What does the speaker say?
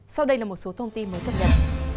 sau đây là một số thông tin mới cập nhật